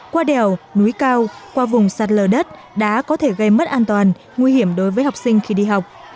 qua đèo núi cao qua vùng sắt lờ đất đá có thể gây mất an toàn nguy hiểm đối với học sinh khi đi học